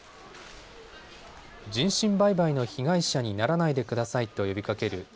人身売買の被害者にならないでくださいと呼びかける